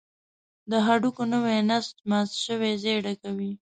د هډوکي نوی نسج مات شوی ځای ډکوي.